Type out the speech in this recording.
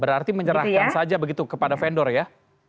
berarti menyerahkan saja begitu kepada vendor ya